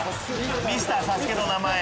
ミスターＳＡＳＵＫＥの名前。